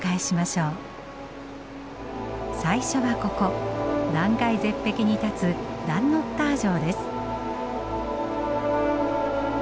最初はここ断崖絶壁に立つダンノッター城です。